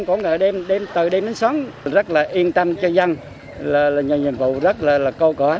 có người ở đêm từ đêm đến sớm rất là yên tâm cho dân là nhà nhiệm vụ rất là câu cỏ